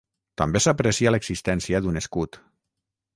També s'aprecia l'existència d'un escut.